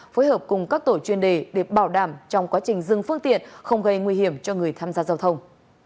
phối hợp cùng các tổ chuyên đề để bảo đảm trong quá trình dừng phương tiện không gây nguy hiểm cho người tham gia giao thông